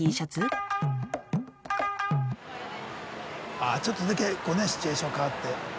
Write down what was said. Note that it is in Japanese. あちょっとだけこうねシチュエーション変わって。